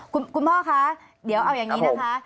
คุณพ่อคะเดี๋ยวเอาอย่างนี้นะคะ